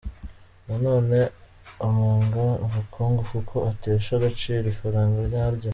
Na none, amunga ubukungu kuko atesha agaciro ifaranga nyaryo.